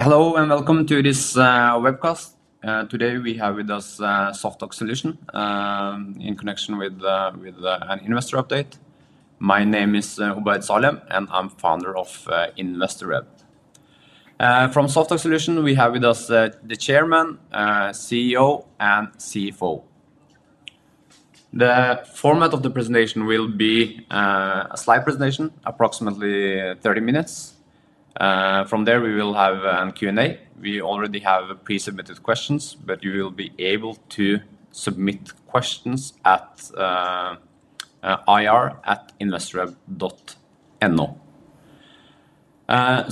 Hello and welcome to this webcast. Today we have with us SoftOx Solutions in connection with an investor update. My name is Obaid Salem and I'm the founder of InvestorRep. From SoftOx Solutions, we have with us the Chairman, CEO, and CFO. The format of the presentation will be a slide presentation, approximately 30 minutes. From there, we will have a Q&A. We already have pre-submitted questions, but you will be able to submit questions at ir@investorrep.no.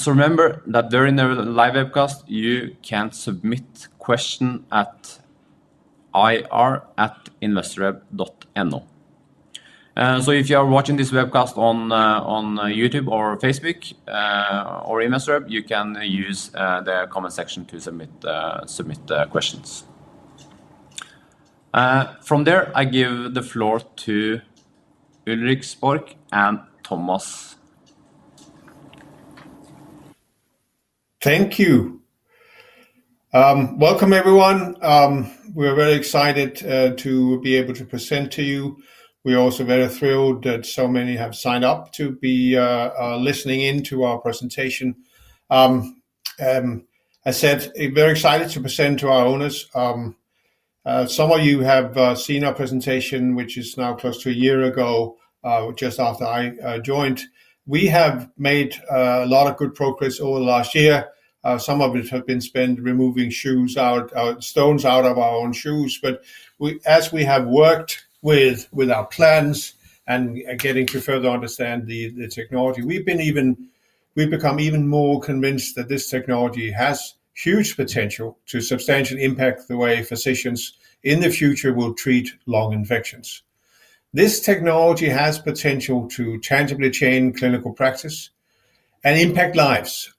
Remember that during the live webcast, you can submit questions at ir@investorrep.no. If you are watching this webcast on YouTube or Facebook or InvestorRep, you can use the comment section to submit questions. From there, I give the floor to Ulrik Spork and Thomas. Thank you. Welcome, everyone. We are very excited to be able to present to you. We are also very thrilled that so many have signed up to be listening in to our presentation. We're very excited to present to our owners. Some of you have seen our presentation, which is now close to a year ago, just after I joined. We have made a lot of good progress over the last year. Some of it has been spent removing stones out of our own shoes. As we have worked with our plans and getting to further understand the technology, we've become even more convinced that this technology has huge potential to substantially impact the way physicians in the future will treat lung infections. This technology has potential to tangibly change clinical practice and impact lives.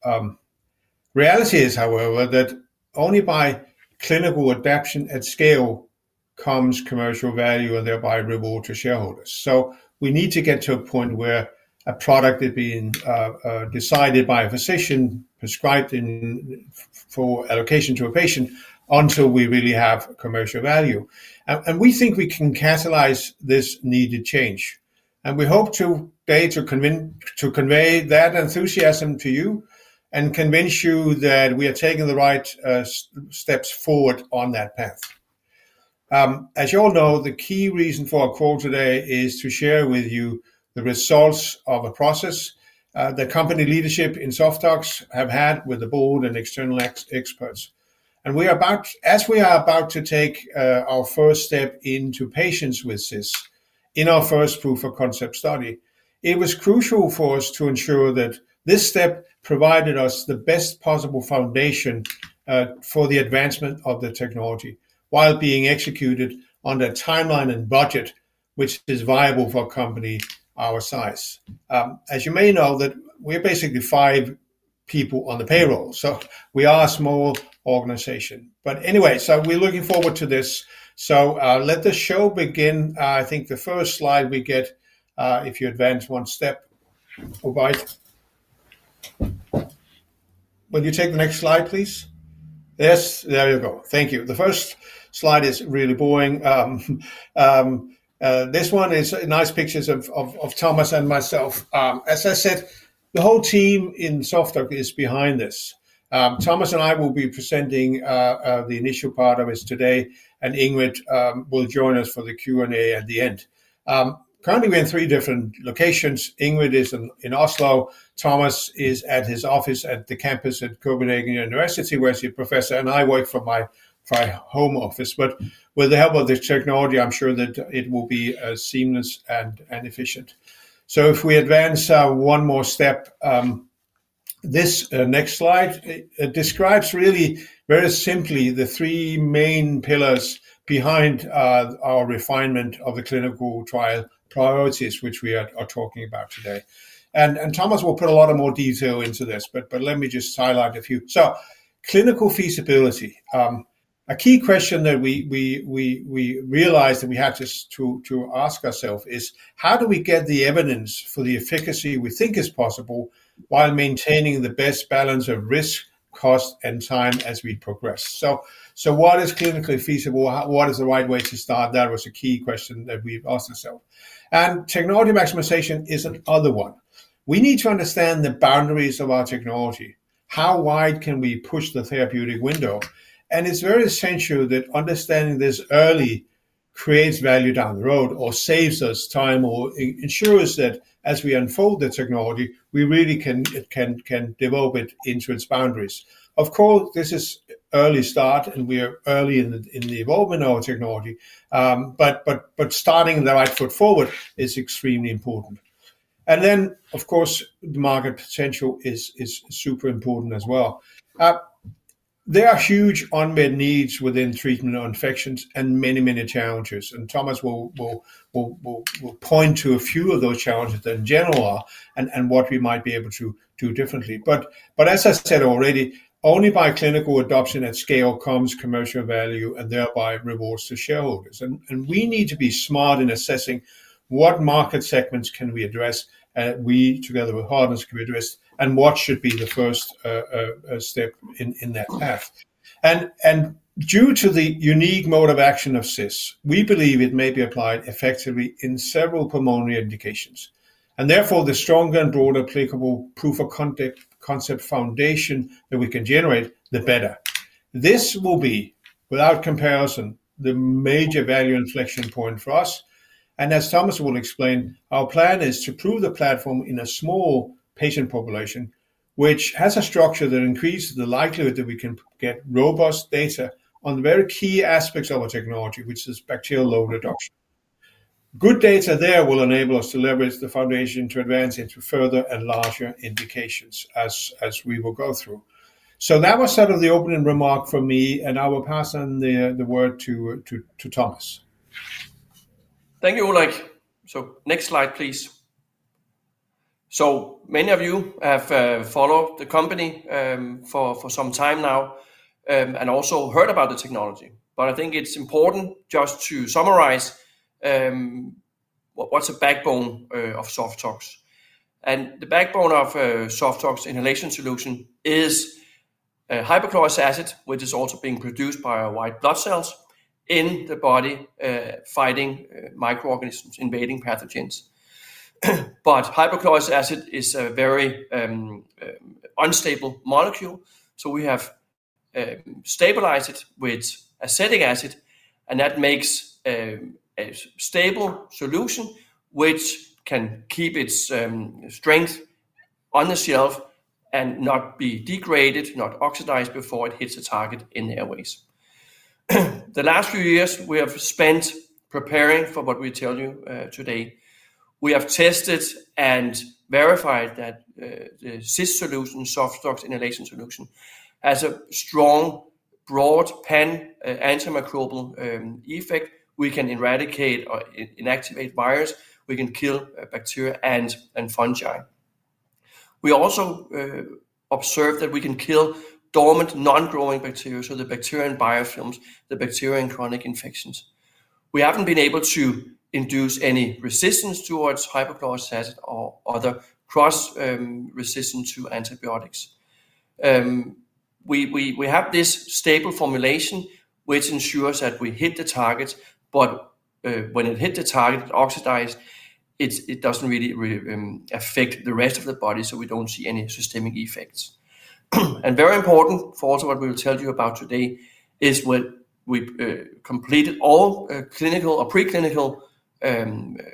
Reality is, however, that only by clinical adaption at scale comes commercial value and thereby reward to shareholders. We need to get to a point where a product is being decided by a physician, prescribed for allocation to a patient, until we really have commercial value. We think we can catalyze this needed change. We hope today to convey that enthusiasm to you and convince you that we are taking the right steps forward on that path. As you all know, the key reason for our call today is to share with you the results of a process that company leadership in SoftOx AS have had with the board and external experts. We are about to take our first step into patients with this in our first proof-of-concept study. It was crucial for us to ensure that this step provided us the best possible foundation for the advancement of the technology while being executed on the timeline and budget, which is viable for a company our size. As you may know, we're basically five people on the payroll. We are a small organization. We're looking forward to this. Let the show begin. I think the first slide we get, if you advance one step, Obaid. Will you take the next slide, please? Yes, there you go. Thank you. The first slide is really boring. This one is nice pictures of Thomas and myself. As I said, the whole team in SoftOx AS is behind this. Thomas and I will be presenting the initial part of this today, and Ingrid will join us for the Q&A at the end. Currently, we're in three different locations. Ingrid is in Oslo. Thomas is at his office at the campus at the University of Copenhagen, where he's a professor, and I work from my home office. With the help of the technology, I'm sure that it will be seamless and efficient. If we advance one more step, this next slide describes really very simply the three main pillars behind our refinement of the clinical trial priorities which we are talking about today. Thomas will put a lot more detail into this, but let me just highlight a few. Clinical feasibility. A key question that we realized and we had to ask ourselves is, how do we get the evidence for the efficacy we think is possible while maintaining the best balance of risk, cost, and time as we progress? What is clinically feasible? What is the right way to start? That was a key question that we asked ourselves. Technology maximization is another one. We need to understand the boundaries of our technology. How wide can we push the therapeutic window? It's very essential that understanding this early creates value down the road or saves us time or ensures that as we unfold the technology, we really can devolve it into its boundaries. Of course, this is an early start and we are early in the evolvement of our technology. Starting the right foot forward is extremely important. The market potential is super important as well. There are huge unmet needs within treatment of infections and many, many challenges. Thomas will point to a few of those challenges that in general are and what we might be able to do differently. As I said already, only by clinical adoption at scale comes commercial value and thereby rewards to shareholders. We need to be smart in assessing what market segments can we address, and we together with hardness can we address, and what should be the first step in that path. Due to the unique mode of action of SoftOx Inhalation Solution, we believe it may be applied effectively in several pulmonary indications. Therefore, the stronger and broader applicable proof-of-concept foundation that we can generate, the better. This will be, without comparison, the major value inflection point for us. As Thomas will explain, our plan is to prove the platform in a small patient population, which has a structure that increases the likelihood that we can get robust data on very key aspects of our technology, which is bacterial load reduction. Good data there will enable us to leverage the foundation to advance into further and larger indications as we will go through. That was sort of the opening remark from me, and I will pass on the word to Thomas. Thank you, Obaid. Next slide, please. Many of you have followed the company for some time now and also heard about the technology. I think it's important just to summarize what's the backbone of SoftOx. The backbone of SoftOx Inhalation Solution is hypochlorous acid, which is also being produced by our white blood cells in the body, fighting microorganisms and invading pathogens. Hypochlorous acid is a very unstable molecule. We have stabilized it with acetic acid, and that makes a stable solution which can keep its strength on the shelf and not be degraded, not oxidized before it hits a target in the airways. The last few years, we have spent preparing for what we tell you today. We have tested and verified that the SoftOx Inhalation Solution has a strong, broad-spectrum, pan-antimicrobial effect. We can eradicate or inactivate virus. We can kill bacteria and fungi. We also observed that we can kill dormant, non-growing bacteria, so the bacteria in biofilms, the bacteria in chronic infections. We haven't been able to induce any resistance towards hypochlorous acid or other cross-resistance to antibiotics. We have this stable formulation, which ensures that we hit the target, but when it hits the target, it oxidizes. It doesn't really affect the rest of the body, so we don't see any systemic effects. Very important for also what we will tell you about today is when we completed all clinical or preclinical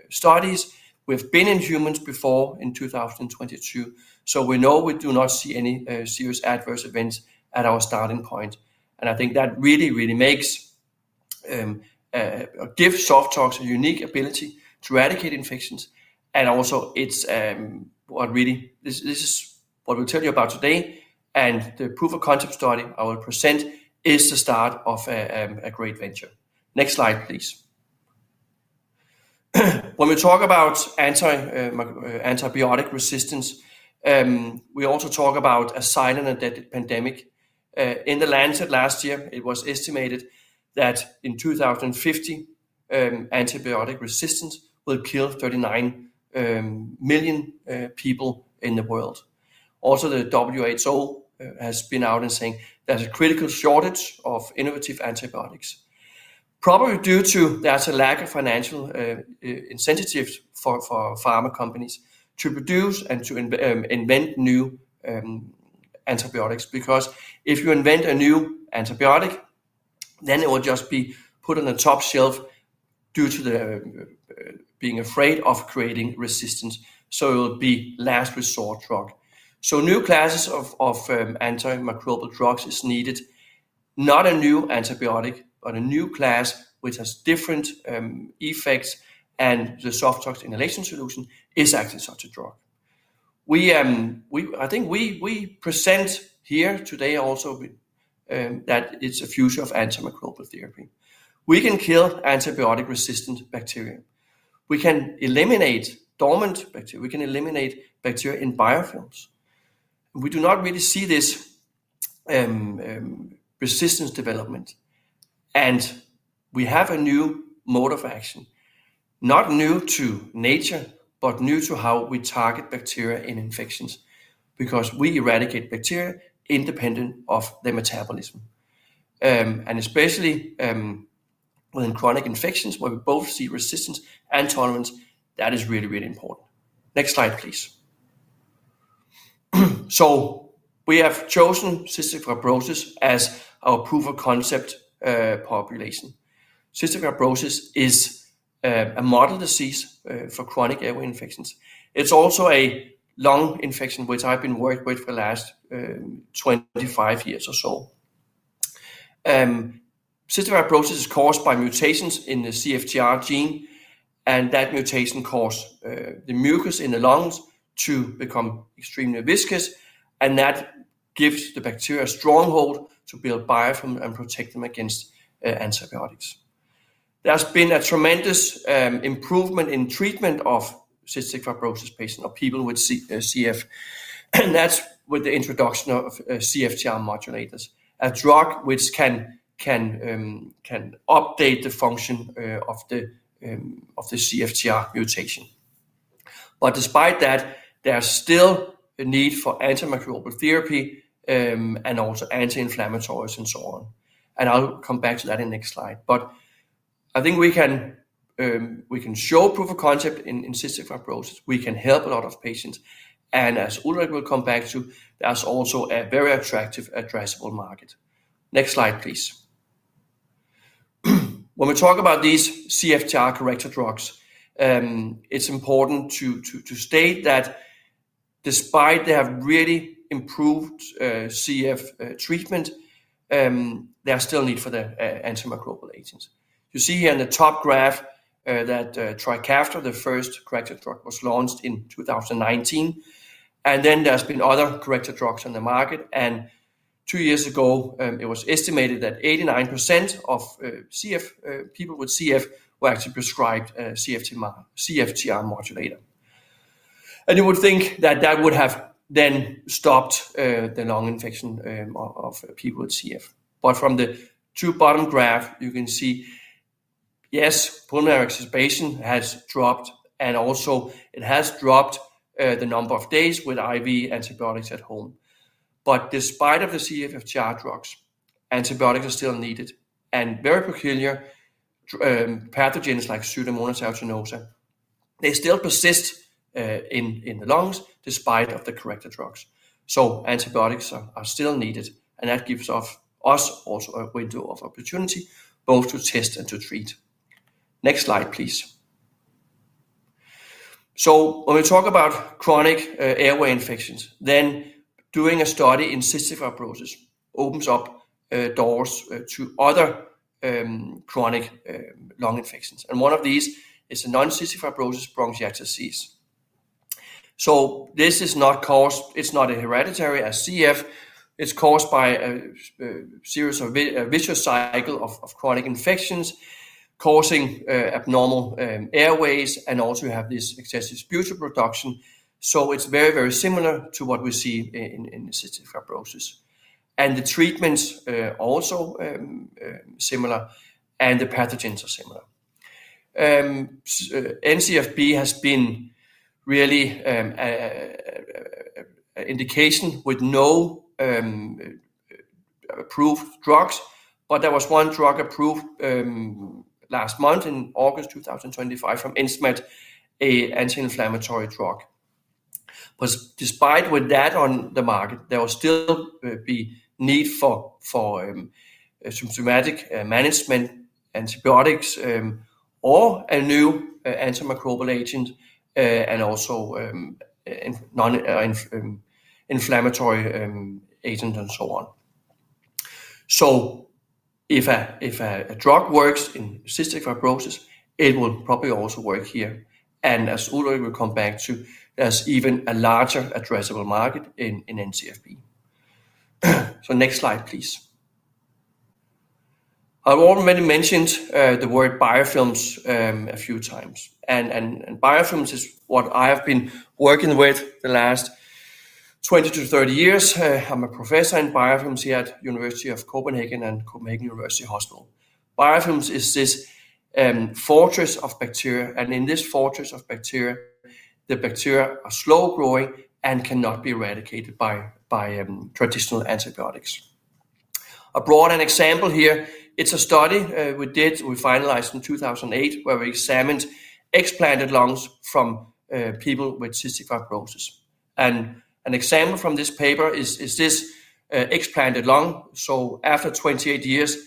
studies. We've been in humans before in 2022, so we know we do not see any serious adverse events at our starting point. I think that really, really makes or gives SoftOx a unique ability to eradicate infections. Also, this is what we'll tell you about today. The proof-of-concept study I will present is the start of a great venture. Next slide, please. When we talk about antibiotic resistance, we also talk about a silent pandemic in the landscape. Last year, it was estimated that in 2050, antibiotic resistance will kill 39 million people in the world. The WHO has been out and saying there's a critical shortage of innovative antibiotics, probably due to the lack of financial incentives for pharma companies to produce and to invent new antibiotics. If you invent a new antibiotic, then it will just be put on the top shelf due to being afraid of creating resistance. It will be a last resort drug. New classes of antimicrobial drugs are needed, not a new antibiotic, but a new class which has different effects. The SoftOx Inhalation Solution is actually such a drug. I think we present here today also that it's a future of antimicrobial therapy. We can kill antibiotic-resistant bacteria. We can eliminate dormant bacteria. We can eliminate bacteria in biofilms. We do not really see this resistance development. We have a new mode of action, not new to nature, but new to how we target bacteria in infections because we eradicate bacteria independent of the metabolism. Especially in chronic infections, where we both see resistance and tolerance, that is really, really important. Next slide, please. We have chosen cystic fibrosis as our proof-of-concept population. Cystic fibrosis is a model disease for chronic airway infections. It's also a lung infection, which I've been working with for the last 25 years or so. Cystic fibrosis is caused by mutations in the CFTR gene, and that mutation causes the mucus in the lungs to become extremely viscous, and that gives the bacteria a stronghold to build biofilms and protect them against antibiotics. There has been a tremendous improvement in treatment of cystic fibrosis patients or people with CF, and that's with the introduction of CFTR modulators, a drug which can update the function of the CFTR mutation. Despite that, there's still a need for antimicrobial therapy and also anti-inflammatories and so on. I'll come back to that in the next slide. I think we can show proof of concept in cystic fibrosis. We can help a lot of patients. As Ulrik will come back to, there's also a very attractive addressable market. Next slide, please. When we talk about these CFTR corrector drugs, it's important to state that despite their really improved CF treatment, there's still a need for the antimicrobial agents. You see here in the top graph that Tricaftan, the first corrector drug, was launched in 2019. There have been other corrector drugs on the market. Two years ago, it was estimated that 89% of people with CF were actually prescribed a CFTR modulator. You would think that that would have then stopped the lung infection of people with CF. From the two bottom graphs, you can see, yes, pulmonary exacerbation has dropped, and also it has dropped the number of days with IV antibiotics at home. Despite the CFTR drugs, antibiotics are still needed. Very peculiar pathogens like Pseudomonas aeruginosa still persist in the lungs despite the corrector drugs. Antibiotics are still needed, and that gives us a window of opportunity both to test and to treat. Next slide, please. When we talk about chronic airway infections, doing a study in cystic fibrosis opens up doors to other chronic lung infections. One of these is non-cystic fibrosis bronchiectasis disease. This is not hereditary as CF. It's caused by a serious vicious cycle of chronic infections causing abnormal airways. You have this excessive sputum production. It's very, very similar to what we see in cystic fibrosis. The treatments are also similar, and the pathogens are similar. NCFB has been really an indication with no approved drugs, but there was one drug approved last month in August 2025 from Incimet, an anti-inflammatory drug. Despite that on the market, there will still be a need for symptomatic management, antibiotics, or a new antimicrobial agent, and also an inflammatory agent and so on. If a drug works in cystic fibrosis, it will probably also work here. As Ulrik will come back to, there's even a larger addressable market in NCFB. Next slide, please. I've already mentioned the word biofilms a few times. Biofilms is what I have been working with the last 20 years- 30 years. I'm a Professor in biofilms here at the University of Copenhagen and Copenhagen University Hospital. Biofilms is this fortress of bacteria. In this fortress of bacteria, the bacteria are slow-growing and cannot be eradicated by traditional antibiotics. I'll broaden an example here. It's a study we finalized in 2008, where we examined explanted lungs from people with cystic fibrosis. An example from this paper is this explanted lung. After 28 years,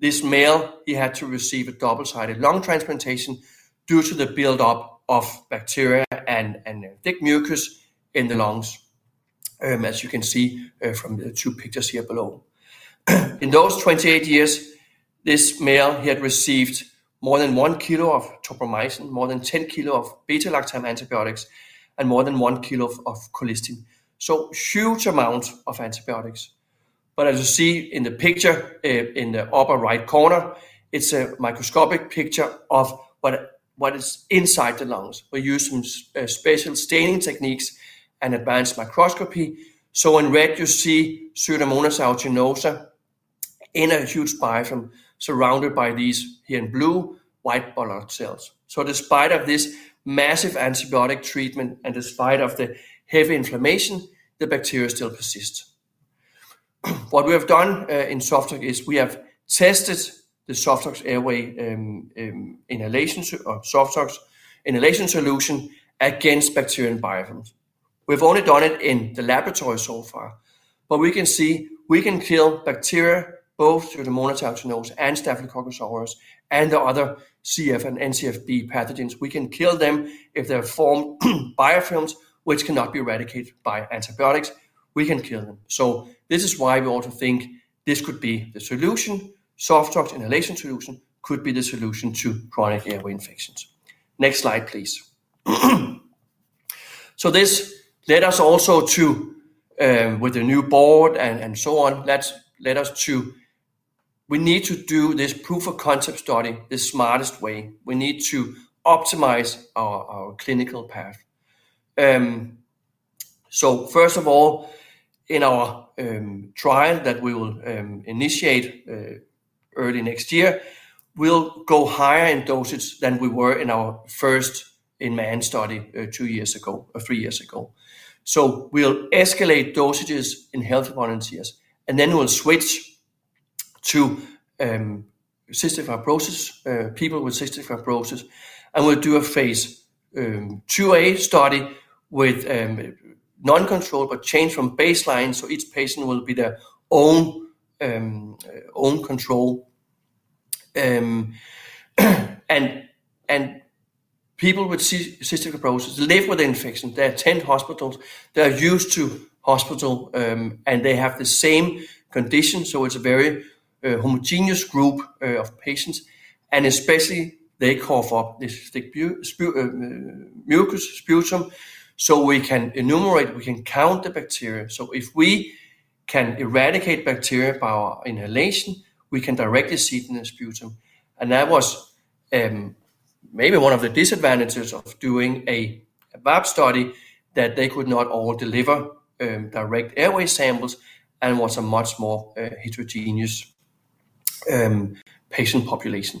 this male had to receive a double-sided lung transplantation due to the buildup of bacteria and thick mucus in the lungs, as you can see from the two pictures here below. In those 28 years, this male had received more than 1 kilo of tobramycin, more than 10 kilos of beta-lactam antibiotics, and more than 1 kilo of colistin. Huge amounts of antibiotics. As you see in the picture in the upper right corner, it's a microscopic picture of what is inside the lungs. We use some special staining techniques and advanced microscopy. In red, you see Pseudomonas aeruginosa in a huge biofilm surrounded by these here in blue, white blood cells. Despite this massive antibiotic treatment and despite the heavy inflammation, the bacteria still persist. What we have done in SoftOx is we have tested the SoftOx Inhalation Solution against bacterial biofilms. We've only done it in the laboratory so far, but we can see we can kill bacteria, both Pseudomonas aeruginosa and Staphylococcus aureus, and the other CF and NCFB pathogens. We can kill them if they're formed biofilms, which cannot be eradicated by antibiotics. We can kill them. This is why we also think this could be the solution. SoftOx Inhalation Solution could be the solution to chronic airway infections. Next slide, please. This led us also to, with the new board and so on, we need to do this proof-of-concept study the smartest way. We need to optimize our clinical path. First of all, in our trial that we will initiate early next year, we'll go higher in dosage than we were in our first in-man study two years ago or three years ago. We'll escalate dosages in healthy volunteers, and then we'll switch to cystic fibrosis, people with cystic fibrosis, and we'll do a Phase 2a study with non-control, but change from baseline. Each patient will be their own control. People with cystic fibrosis live with the infection. There are 10 hospitals that are used to hospital, and they have the same condition. It's a very homogeneous group of patients. Especially, they cough up this thick mucus, sputum. We can enumerate, we can count the bacteria. If we can eradicate bacteria by our inhalation, we can directly see it in the sputum. That was maybe one of the disadvantages of doing a BARP study, that they could not all deliver direct airway samples, and it was a much more heterogeneous patient population.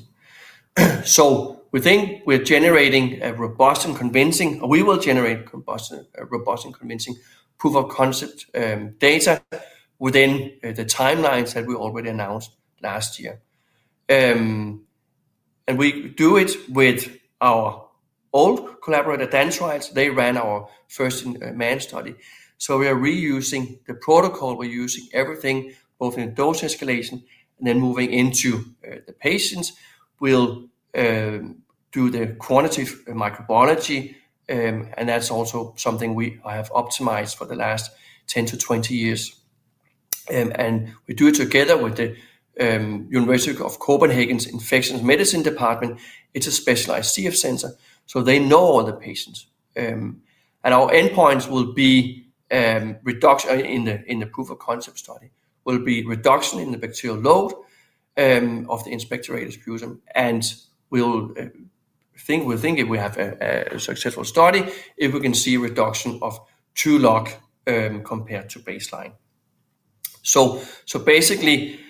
We think we're generating a robust and convincing, or we will generate robust and convincing proof-of-concept data within the timelines that we already announced last year. We do it with our old collaborator, DanTrials. They ran our first in-man study. We are reusing the protocol. We're using everything, both in dose escalation and then moving into the patients. We'll do the quantitative microbiology, and that's also something I have optimized for the last 10 year- 20 years. We do it together with the University of Copenhagen's Infectious Medicine Department. It's a specialized CF center, so they know all the patients. Our endpoints in the proof-of-concept study will be reduction in the bacterial load of the expectorated sputum. We think if we have a successful study, if we can see a reduction of two log compared to baseline. Basically,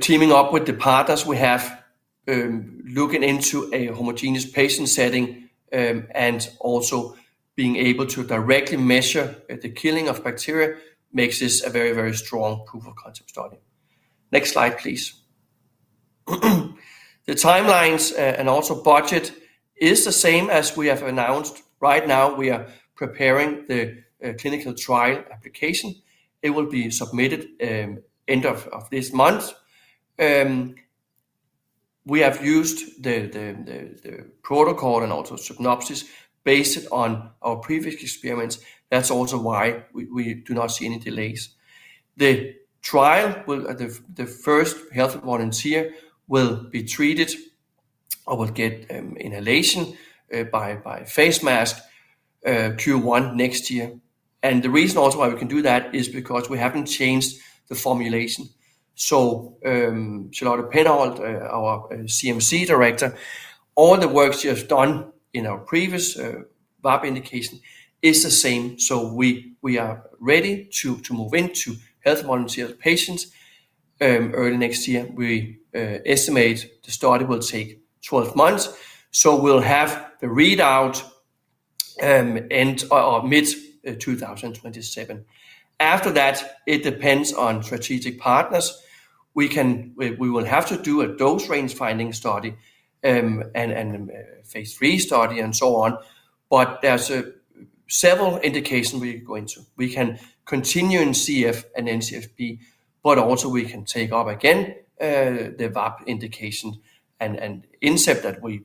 teaming up with the partners we have, looking into a homogeneous patient setting, and also being able to directly measure the killing of bacteria makes this a very, very strong proof-of-concept study. Next slide, please. The timelines and also budget are the same as we have announced. Right now, we are preparing the clinical trial application. It will be submitted at the end of this month. We have used the protocol and also the synopsis based on our previous experience. That's also why we do not see any delays. The trial, the first healthy volunteer will be treated or will get inhalation by face mask Q1 next year. The reason also why we can do that is because we haven't changed the formulation. Charlotte Petterholt, our CMC Director, all the work she has done in our previous BARP indication is the same. We are ready to move into healthy volunteer patients early next year. We estimate the study will take 12 months. We'll have the readout in mid-2027. After that, it depends on strategic partners. We will have to do a dose range finding study and a Phase 3 study and so on. There are several indications we can go into. We can continue in CF and NCFB, but also we can take up again the BARP indication and Incept that we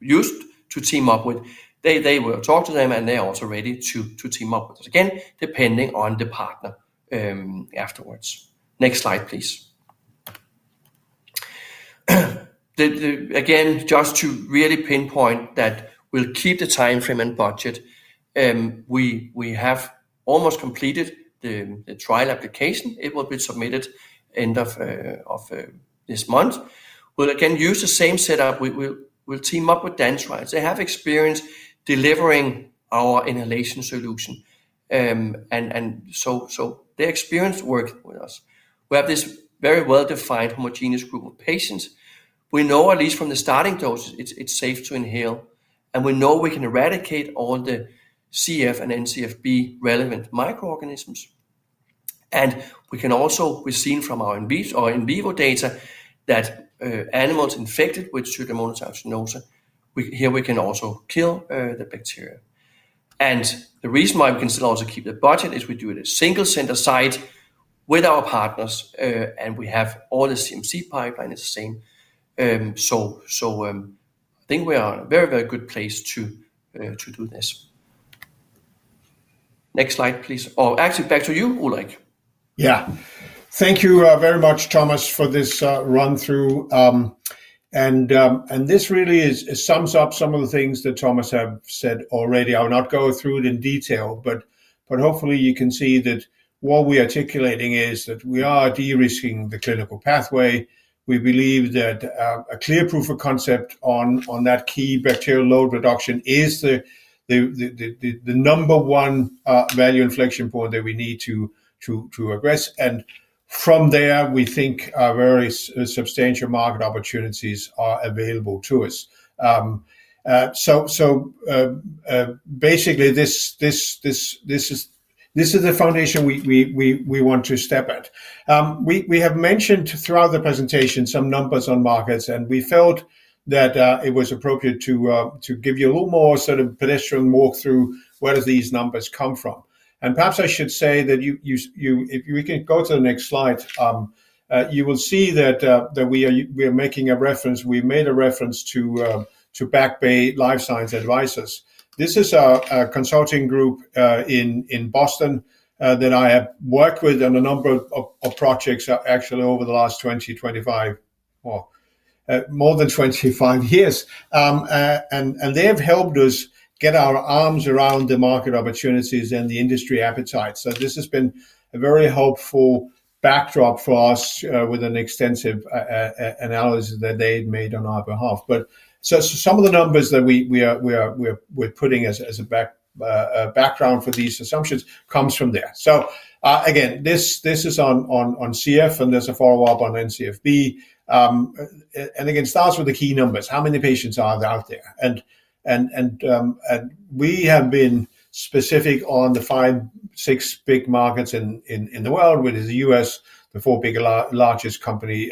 used to team up with. We will talk to them, and they're also ready to team up with us again, depending on the partner afterwards. Next slide, please. Again, just to really pinpoint that we'll keep the timeframe and budget. We have almost completed the trial application. It will be submitted at the end of this month. We'll again use the same setup. We'll team up with DanTrials. They have experience delivering our inhalation solution, and so their experience worked with us. We have this very well-defined homogeneous group of patients. We know at least from the starting doses, it's safe to inhale. We know we can eradicate all the CF and NCFB relevant microorganisms. We've seen from our in vivo data that animals infected with Pseudomonas aeruginosa here, we can also kill the bacteria. The reason why we can still also keep the budget is we do it at a single center site with our partners, and we have all the CMC pipeline is the same. I think we are in a very, very good place to do this. Next slide, please. Actually, back to you, Ulrik. Thank you very much, Thomas, for this run-through. This really sums up some of the things that Thomas has said already. I'll not go through it in detail, but hopefully, you can see that what we're articulating is that we are de-risking the clinical pathway. We believe that a clear proof of concept on that key bacterial load reduction is the number one value inflection point that we need to address. From there, we think various substantial market opportunities are available to us. Basically, this is the foundation we want to step at. We have mentioned throughout the presentation some numbers on markets, and we felt that it was appropriate to give you a little more sort of pedestrian walkthrough where these numbers come from. Perhaps I should say that if we can go to the next slide, you will see that we are making a reference. We made a reference to Back Bay Life Science Advisors. This is a consulting group in Boston that I have worked with on a number of projects actually over the last 20, 25, more than 25 years. They have helped us get our arms around the market opportunities and the industry appetite. This has been a very helpful backdrop for us with an extensive analysis that they had made on our behalf. Some of the numbers that we're putting as a background for these assumptions come from there. This is on CF, and there's a follow-up on NCFB. It starts with the key numbers. How many patients are there out there? We have been specific on the five, six big markets in the world, which is the U.S., the four big largest countries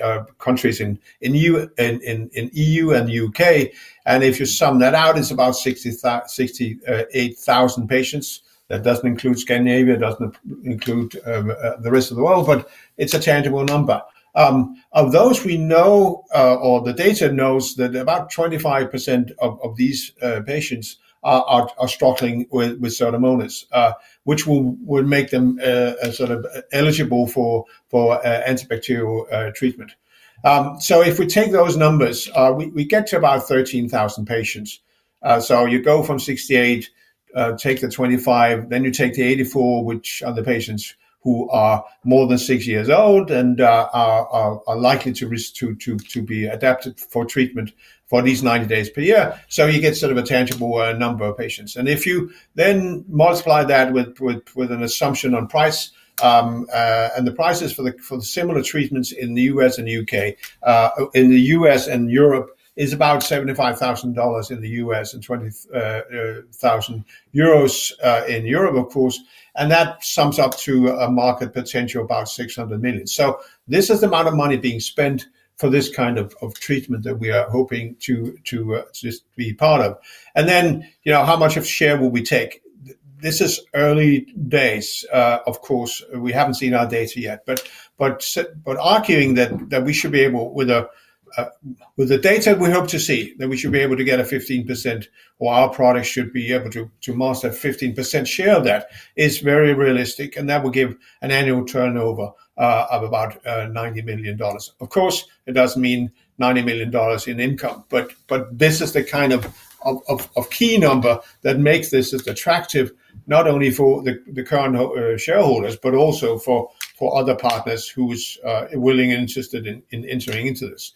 in E.U. and U.K. If you sum that out, it's about 68,000 patients. That doesn't include Scandinavia, doesn't include the rest of the world, but it's a tangible number. Of those, we know, or the data knows, that about 25% of these patients are struggling with Pseudomonas, which will make them sort of eligible for antibacterial treatment. If we take those numbers, we get to about 13,000 patients. You go from 68, take the 25, then you take the 84, which are the patients who are more than six years old and are likely to be adapted for treatment for at least 90 days per year. You get sort of a tangible number of patients. If you then multiply that with an assumption on price, and the prices for the similar treatments in the U.S. and U.K., in the U.S. and Europe is about $75,000 in the U.S. and 20,000 euros in Europe, of course. That sums up to a market potential of about $600 million. This is the amount of money being spent for this kind of treatment that we are hoping to just be part of. You know, how much of a share will we take? This is early days, of course. We haven't seen our data yet. Arguing that we should be able, with the data we hope to see, that we should be able to get a 15%, or our product should be able to master a 15% share of that is very realistic. That will give an annual turnover of about $90 million. Of course, it doesn't mean $90 million in income, but this is the kind of key number that makes this attractive, not only for the current shareholders, but also for other partners who are willing and interested in entering into this.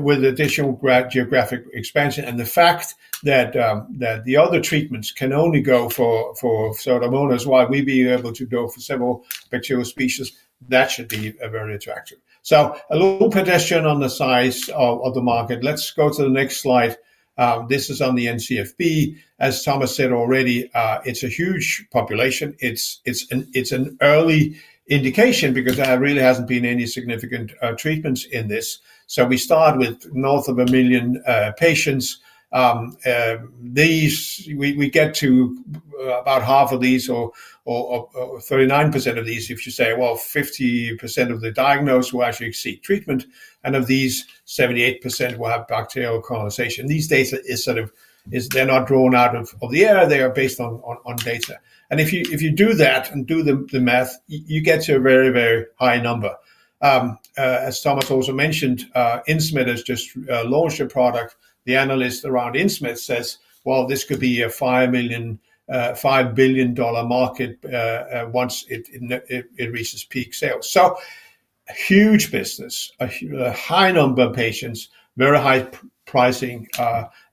With additional geographic expansion and the fact that the other treatments can only go for Pseudomonas, while we'll be able to go for several bacterial species, that should be very attractive. A little prediction on the size of the market. Let's go to the next slide. This is on the NCFB. As Thomas said already, it's a huge population. It's an early indication because there really haven't been any significant treatments in this. We start with north of a million patients. We get to about half of these, or 39% of these, if you say 50% of the diagnosed will actually seek treatment. Of these, 78% will have bacterial colonization. These data are sort of, they're not drawn out of the air. They are based on data. If you do that and do the math, you get to a very, very high number. As Thomas also mentioned, Incimet has just launched a product. The analyst around Incimet says this could be a $5 billion market once it reaches peak sales. A huge business, a high number of patients, very high pricing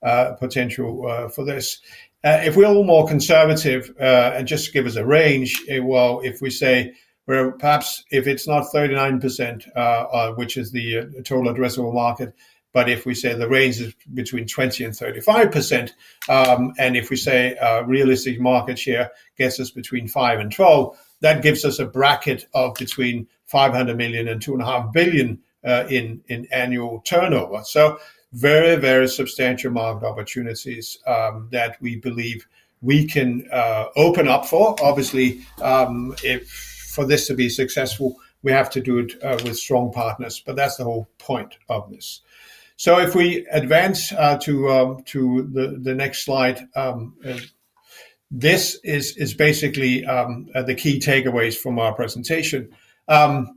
potential for this. If we're all more conservative, and just to give us a range, if we say we're perhaps, if it's not 39%, which is the total addressable market, but if we say the range is between 20% and 35%, and if we say realistic market share gets us between 5% and 12%, that gives us a bracket of between $500 million and $2.5 billion in annual turnover. Very, very substantial market opportunities that we believe we can open up for. Obviously, for this to be successful, we have to do it with strong partners, but that's the whole point of this. If we advance to the next slide, this is basically the key takeaways from our presentation. We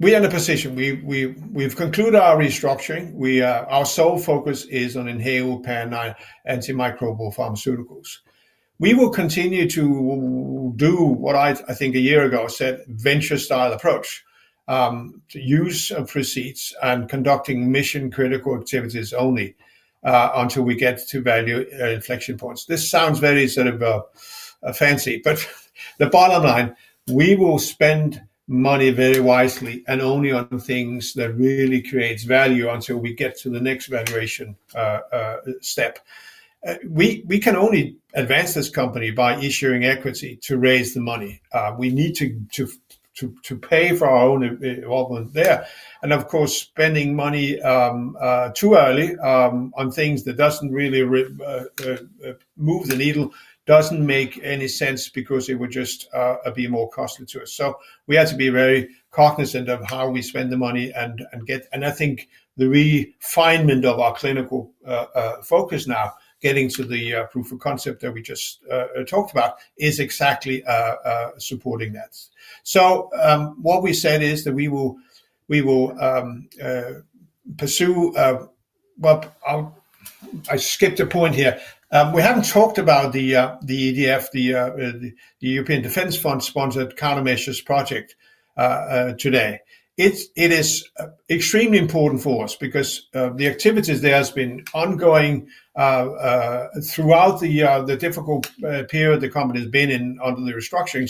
are in a position, we've concluded our restructuring. Our sole focus is on inhaled perennial antimicrobial pharmaceuticals. We will continue to do what I think a year ago said, a venture-style approach, to use of receipts and conducting mission-critical activities only until we get to value inflection points. This sounds very sort of fancy, but the bottom line, we will spend money very wisely and only on the things that really create value until we get to the next valuation step. We can only advance this company by issuing equity to raise the money. We need to pay for our own involvement there. Of course, spending money too early on things that doesn't really move the needle doesn't make any sense because it would just be more costly to us. We have to be very cognizant of how we spend the money and get, and I think the refinement of our clinical focus now, getting to the proof of concept that we just talked about, is exactly supporting that. What we said is that we will pursue, I skipped a point here. We haven't talked about the EDF, the European Defense Fund sponsored Carnomeses project today. It is extremely important for us because the activities there have been ongoing throughout the difficult period the company has been in under the restructuring.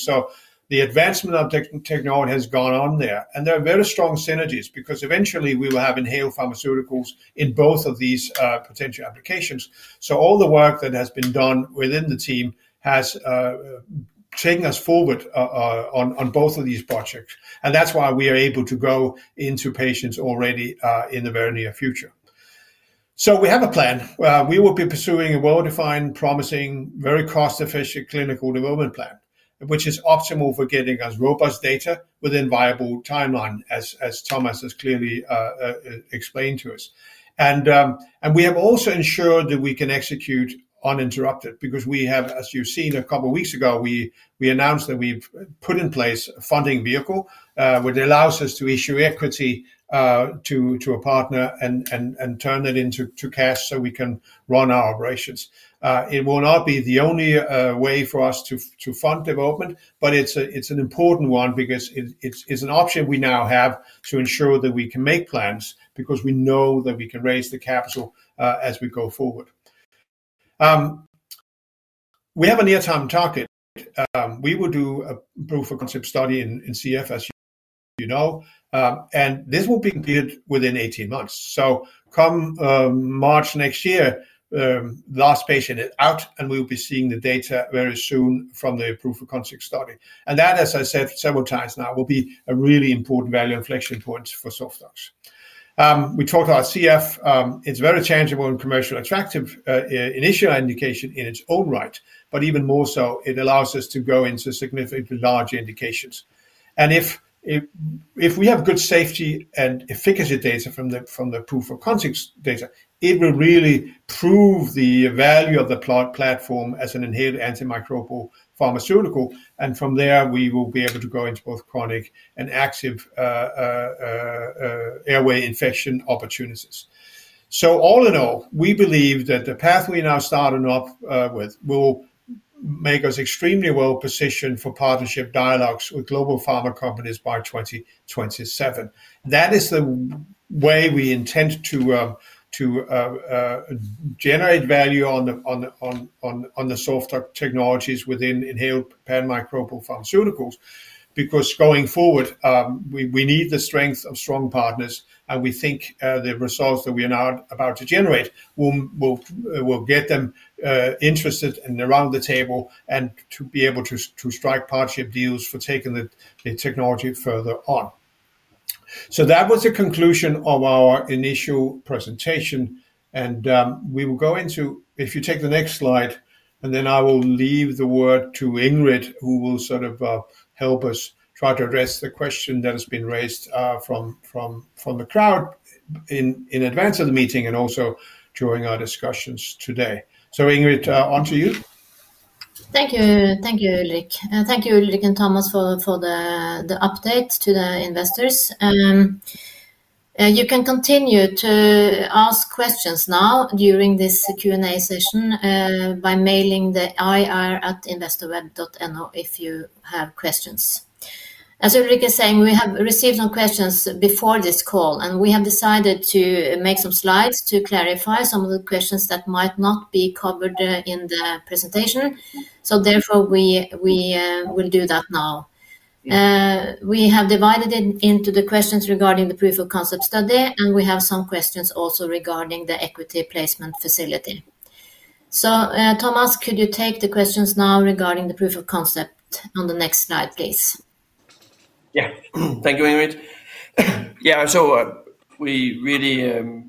The advancement of technology has gone on there. There are very strong synergies because eventually, we will have inhaled pharmaceuticals in both of these potential applications. All the work that has been done within the team has taken us forward on both of these projects. That's why we are able to go into patients already in the very near future. We have a plan. We will be pursuing a well-defined, promising, very cost-efficient clinical development plan, which is optimal for getting us robust data within a viable timeline, as Thomas has clearly explained to us. We have also ensured that we can execute uninterrupted because we have, as you've seen a couple of weeks ago, we announced that we've put in place a funding vehicle, which allows us to issue equity to a partner and turn that into cash so we can run our operations. It will not be the only way for us to fund development, but it's an important one because it's an option we now have to ensure that we can make plans because we know that we can raise the capital as we go forward. We have a near-term target. We will do a proof-of-concept study in CF, as you know. This will be completed within 18 months. Come March next year, the last patient is out, and we'll be seeing the data very soon from the proof-of-concept study. That, as I said several times now, will be a really important value inflection point for SoftOx AS. We talked about CF. It's a very tangible and commercially attractive initial indication in its own right, but even more so, it allows us to go into significantly larger indications. If we have good safety and efficacy data from the proof-of-concept data, it will really prove the value of the platform as an inhaled antimicrobial pharmaceutical. From there, we will be able to go into both chronic and active airway infection opportunities. All in all, we believe that the path we are now starting up with will make us extremely well positioned for partnership dialogues with global pharma companies by 2027. That is the way we intend to generate value on the SoftOx technology within inhaled pan-antimicrobial pharmaceuticals. Going forward, we need the strength of strong partners, and we think the results that we are now about to generate will get them interested and around the table and to be able to strike partnership deals for taking the technology further on. That was the conclusion of our initial presentation. If you take the next slide, I will leave the word to Ingrid, who will sort of help us try to address the question that has been raised from the crowd in advance of the meeting and also during our discussions today. Ingrid, on to you. Thank you, thank you, Ulrik. Thank you, Ulrik and Thomas, for the updates to the investors. You can continue to ask questions now during this Q&A session by mailing the ir@investorweb.no if you have questions. As Ulrik is saying, we have received some questions before this call, and we have decided to make some slides to clarify some of the questions that might not be covered in the presentation. Therefore, we will do that now. We have divided it into the questions regarding the proof-of-concept study, and we have some questions also regarding the equity placement facility. Thomas, could you take the questions now regarding the proof-of-concept on the next slide, please? Thank you, Ingrid. We really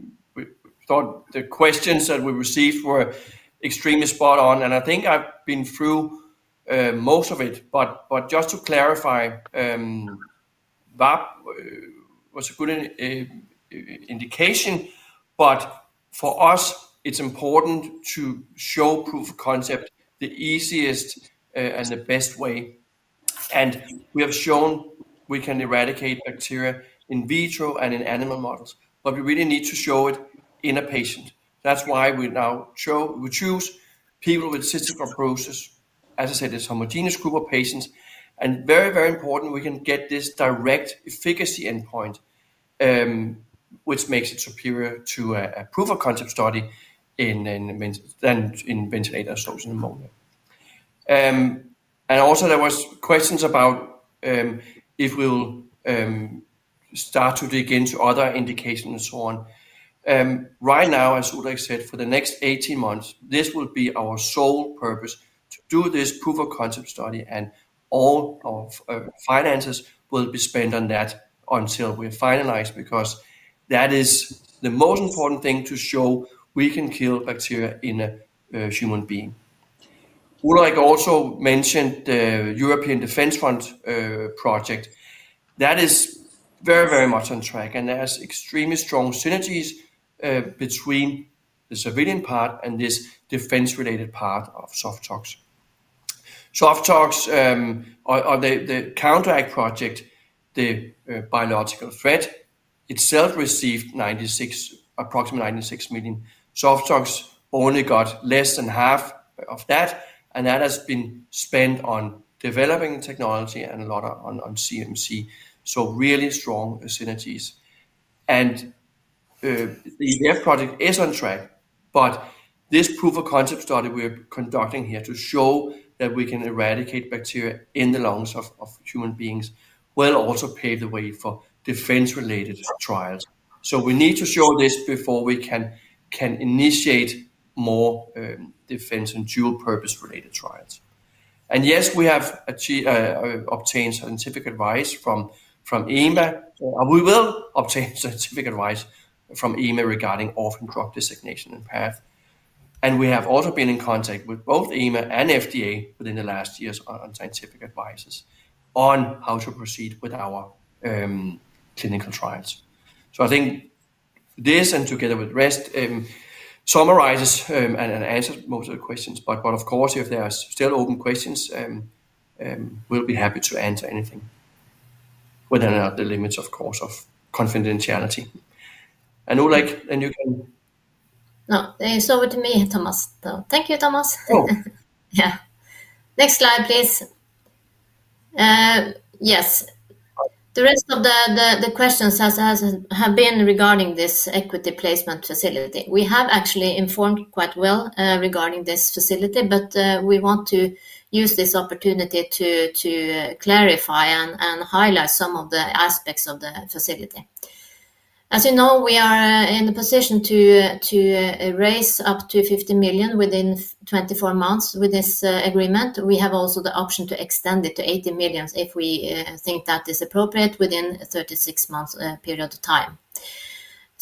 thought the questions that we received were extremely spot on. I think I've been through most of it. Just to clarify, BARP was a good indication. For us, it's important to show proof of concept the easiest and the best way. We have shown we can eradicate bacteria in vitro and in animal models, but we really need to show it in a patient. That's why we now choose people with cystic fibrosis. As I said, it's a homogeneous group of patients. Very, very important, we can get this direct efficacy endpoint, which makes it superior to a proof-of-concept study in ventilator-associated pneumonia. There were questions about if we'll start to dig into other indications and so on. Right now, as Ulrik said, for the next 18 months, this will be our sole purpose to do this proof-of-concept study. All our finances will be spent on that until we're finalized because that is the most important thing to show we can kill bacteria in a human being. Ulrik also mentioned the European Defense Fund project. That is very, very much on track. There are extremely strong synergies between the civilian part and this defense-related part of SoftOx. SoftOx, the counteract project, the biological threat itself received approximately 96 million. SoftOx only got less than half of that. That has been spent on developing technology and a lot on CMC. Really strong synergies. The EDF project is on track. This proof-of-concept study we're conducting here to show that we can eradicate bacteria in the lungs of human beings will also pave the way for defense-related trials. We need to show this before we can initiate more defense and dual-purpose related trials. Yes, we have obtained scientific advice from EMA. We will obtain scientific advice from EMA regarding orphan drug designation and path. We have also been in contact with both EMA and FDA within the last years on scientific advices on how to proceed with our clinical trials. I think this, and together with rest, summarizes and answers most of the questions. Of course, if there are still open questions, we'll be happy to answer anything, whether or not the limits, of course, of confidentiality. Ulrik, then you can. No, it's over to me, Thomas. Thank you, Thomas. Oh. Yeah. Next slide, please. Yes. The rest of the questions have been regarding this equity placement facility. We have actually informed quite well regarding this facility, but we want to use this opportunity to clarify and highlight some of the aspects of the facility. As you know, we are in a position to raise up to 50 million within 24 months with this agreement. We also have the option to extend it to 80 million if we think that is appropriate within a 36-month period of time.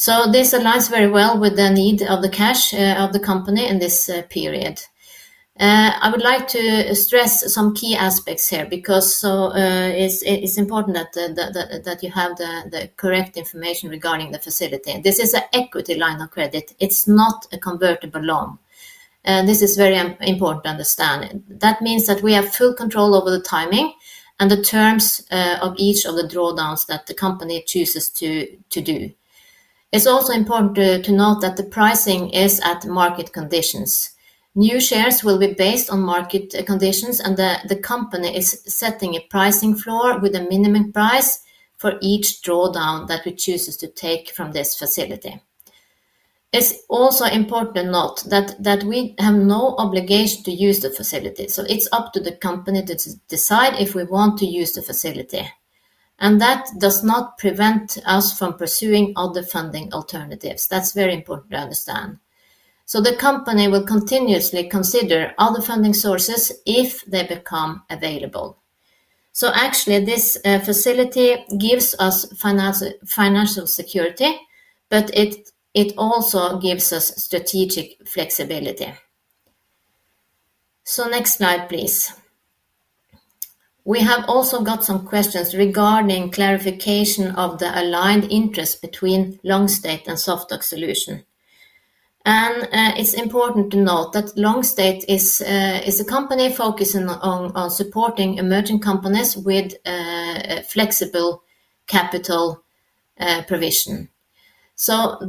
This aligns very well with the need of the cash of the company in this period. I would like to stress some key aspects here because it's important that you have the correct information regarding the facility. This is an equity line of credit. It's not a convertible loan, and this is very important to understand. That means that we have full control over the timing and the terms of each of the drawdowns that the company chooses to do. It's also important to note that the pricing is at market conditions. New shares will be based on market conditions, and the company is setting a pricing floor with a minimum price for each drawdown that we choose to take from this facility. It's also important to note that we have no obligation to use the facility. It's up to the company to decide if we want to use the facility, and that does not prevent us from pursuing other funding alternatives. That's very important to understand. The company will continuously consider other funding sources if they become available. Actually, this facility gives us financial security, but it also gives us strategic flexibility. Next slide, please. We have also got some questions regarding clarification of the aligned interest between Longstate and SoftOx Solutions . It's important to note that Longstate is a company focusing on supporting emerging companies with flexible capital provision.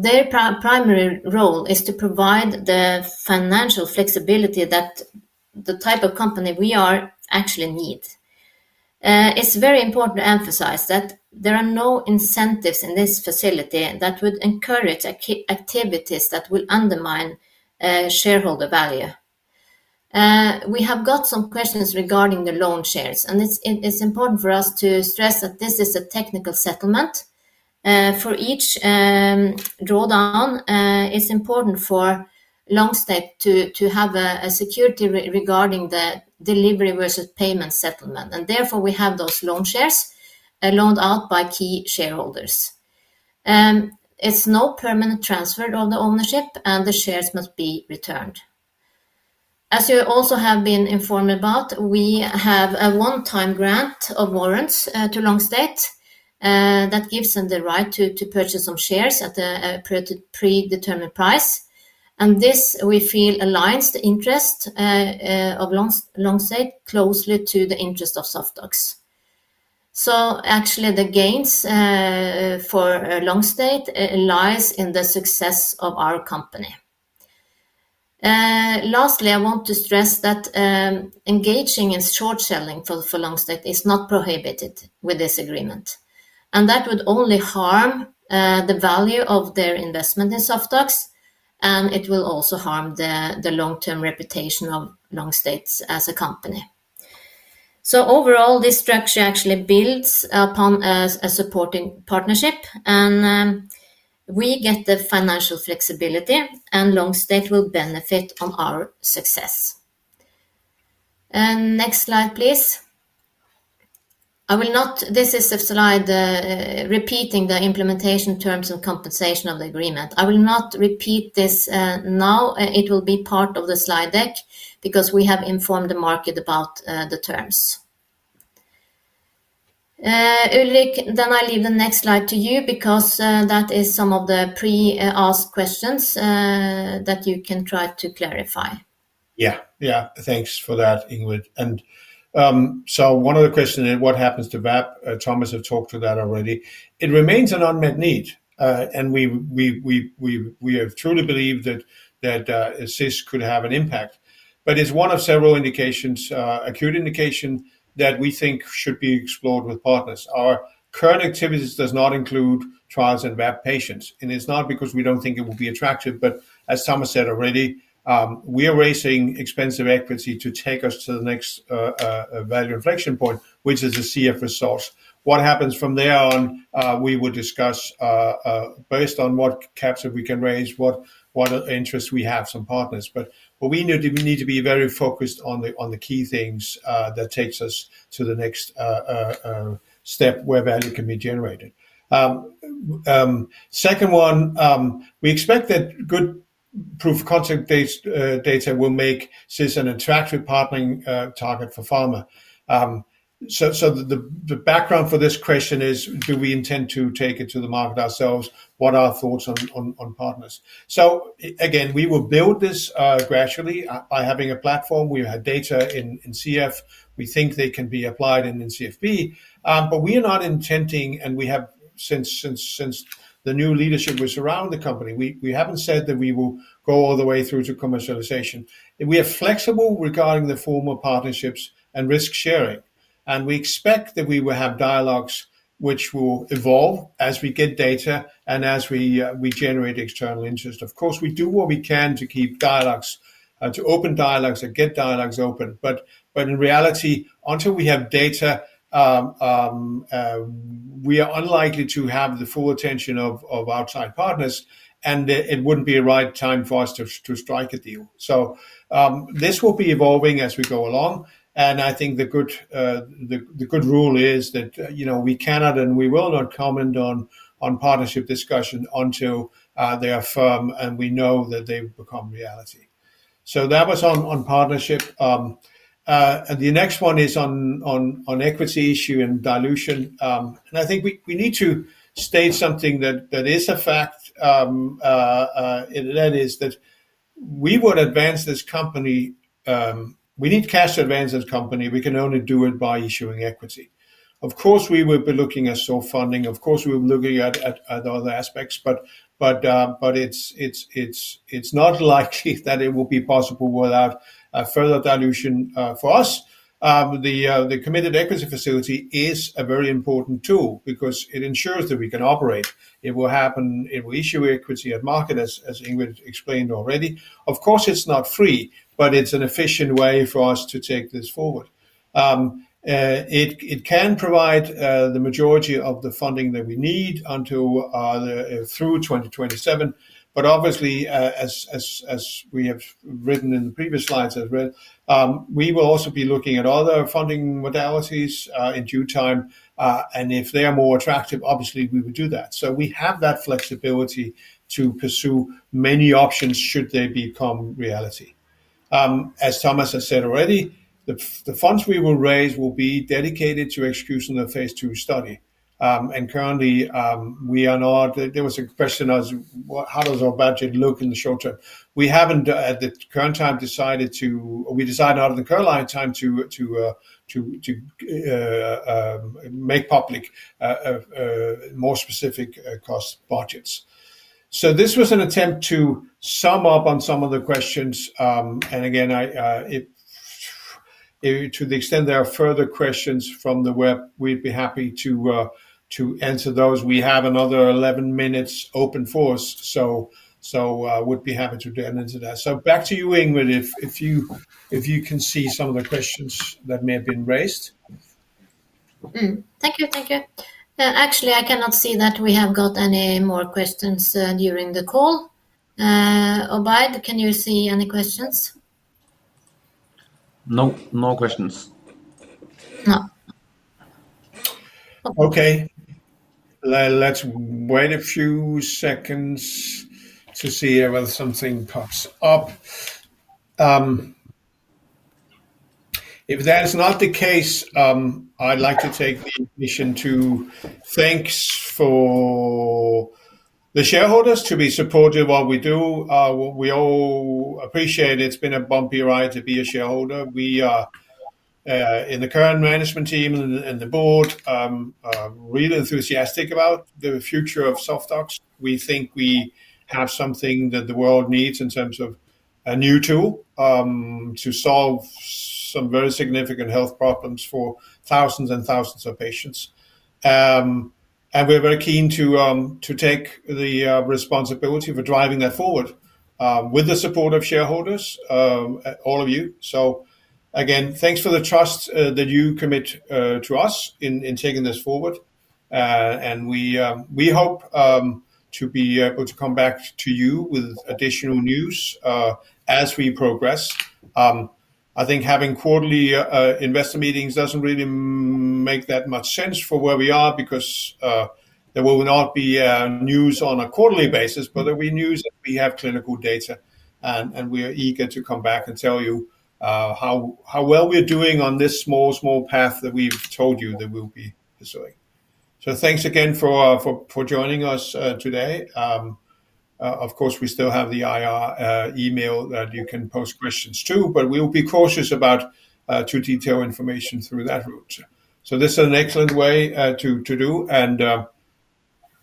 Their primary role is to provide the financial flexibility that the type of company we are actually needs. It's very important to emphasize that there are no incentives in this facility that would encourage activities that will undermine shareholder value. We have got some questions regarding the loan shares, and it's important for us to stress that this is a technical settlement. For each drawdown, it's important for Longstate to have a security regarding the delivery versus payment settlement, and therefore, we have those loan shares loaned out by key shareholders. It's no permanent transfer of the ownership, and the shares must be returned. As you also have been informed about, we have a one-time grant of warrants to Longstate that gives them the right to purchase some shares at a predetermined price. This, we feel, aligns the interest of Longstate closely to the interest of SoftOx. Actually, the gains for Longstate lie in the success of our company. Lastly, I want to stress that engaging in short-selling for Longstate is not prohibited with this agreement. That would only harm the value of their investment in SoftOx, and it will also harm the long-term reputation of Longstate as a company. Overall, this structure actually builds upon a supporting partnership. We get the financial flexibility, and Longstate will benefit from our success. Next slide, please. This is a slide repeating the implementation terms and compensation of the agreement. I will not repeat this now. It will be part of the slide deck because we have informed the market about the terms. Ulrik, then I'll leave the next slide to you because that is some of the pre-asked questions that you can try to clarify. Yeah, yeah. Thanks for that, Ingrid. One of the questions is, what happens to BARP? Thomas has talked to that already. It remains an unmet need. We have truly believed that CIS could have an impact. It is one of several indications, acute indications, that we think should be explored with partners. Our current activities do not include trials in BARP patients. It is not because we do not think it would be attractive. As Thomas said already, we are raising expensive equity to take us to the next value inflection point, which is the CF resource. What happens from there on, we will discuss based on what caps that we can raise, what interest we have from partners. We need to be very focused on the key things that take us to the next step where value can be generated. Second, we expect that good proof-of-concept-based data will make CIS an attractive partnering target for pharma. The background for this question is, do we intend to take it to the market ourselves? What are our thoughts on partners? We will build this gradually by having a platform. We have data in CF. We think they can be applied in NCFB. We are not intending, and since the new leadership was around the company, we have not said that we will go all the way through to commercialization. We are flexible regarding the formal partnerships and risk sharing. We expect that we will have dialogues which will evolve as we get data and as we generate external interest. Of course, we do what we can to keep dialogues, to open dialogues and get dialogues open. In reality, until we have data, we are unlikely to have the full attention of outside partners. It would not be a right time for us to strike a deal. This will be evolving as we go along. The good rule is that we cannot and we will not comment on partnership discussions until they are firm and we know that they have become reality. That was on partnership. The next one is on equity issue and dilution. We need to state something that is a fact. That is that we would advance this company. We need cash to advance this company. We can only do it by issuing equity. Of course, we will be looking at sole funding. Of course, we will be looking at other aspects. It is not likely that it will be possible without further dilution for us. The committed equity facility is a very important tool because it ensures that we can operate. It will happen. It will issue equity at market, as Ingrid explained already. Of course, it's not free, but it's an efficient way for us to take this forward. It can provide the majority of the funding that we need until through 2027. Obviously, as we have written in the previous slides, we will also be looking at other funding modalities in due time. If they are more attractive, obviously, we would do that. We have that flexibility to pursue many options should they become reality. As Thomas has said already, the funds we will raise will be dedicated to execution of Phase 2a clinical trial. Currently, we are not. There was a question as to how does our budget look in the short term. We haven't, at the current time, decided to, we decided not at the current time to make public more specific cost budgets. This was an attempt to sum up on some of the questions. Again, to the extent there are further questions from the web, we'd be happy to answer those. We have another 11 minutes open for us. We'd be happy to do an answer to that. Back to you, Ingrid, if you can see some of the questions that may have been raised. Thank you. Thank you. Actually, I cannot see that we have got any more questions during the call. Obaid, can you see any questions? No, no questions. Okay. Let's wait a few seconds to see if something pops up. If that is not the case, I'd like to take permission to thank the shareholders for being supportive of what we do. We all appreciate it. It's been a bumpy ride to be a shareholder. We are, in the current management team and the Board, really enthusiastic about the future of SoftOx. We think we have something that the world needs in terms of a new tool to solve some very significant health problems for thousands and thousands of patients. We're very keen to take the responsibility for driving that forward with the support of shareholders, all of you. Again, thanks for the trust that you commit to us in taking this forward. We hope to be able to come back to you with additional news as we progress. I think having quarterly investor meetings doesn't really make that much sense for where we are because there will not be news on a quarterly basis, but there will be news when we have clinical data. We're eager to come back and tell you how well we're doing on this small, small path that we've told you that we'll be pursuing. Thanks again for joining us today. Of course, we still have the IR email that you can post questions to, but we'll be cautious about too detailed information through that route. This is an excellent way to do.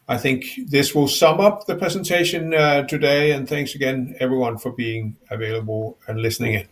I think this will sum up the presentation today. Thanks again, everyone, for being available and listening.